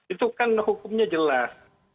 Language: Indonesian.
itu kan hukumnya jelas